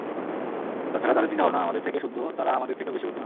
তাছাড়া, তাদের চিন্তাভাবনা আমাদের থেকে শুদ্ধ তারা আমাদের থেকেও বেশি বুদ্ধিমান।